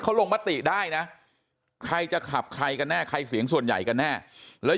เขาลงมติได้นะใครจะขับใครกันแน่ใครเสียงส่วนใหญ่กันแน่แล้ว